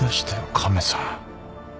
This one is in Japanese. カメさん。